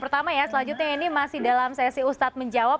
pertama ya selanjutnya ini masih dalam sesi ustadz menjawab